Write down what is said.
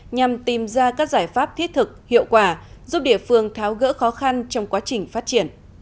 nhằm tìm ra các giải pháp thiết thực hiệu quả giúp địa phương tháo gỡ khó khăn trong quá trình phát triển